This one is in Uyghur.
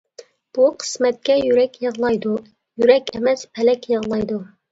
بۇ قىسمەتكە يۈرەك يىغلايدۇ، يۈرەك ئەمەس پەلەك يىغلايدۇ.